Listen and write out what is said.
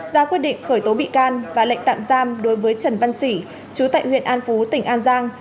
ra quyết định khởi tố bị can và lệnh tạm giam đối với trần văn sĩ chú tại huyện an phú tỉnh an giang